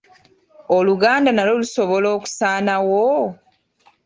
Oluganda nalwo lusobola okusaanawo?